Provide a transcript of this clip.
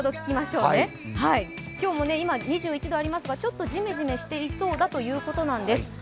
今日も今、２１度ありますがちょっとじめじめしていそうということなんです。